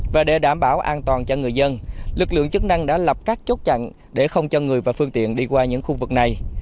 và để đảm bảo an toàn cho người dân lực lượng chức năng đã lập các chốt chặn để không cho người và phương tiện đi qua những khu vực này